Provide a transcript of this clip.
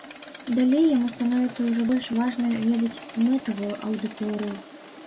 Далей яму становіцца ўжо больш важна ведаць мэтавую аўдыторыю.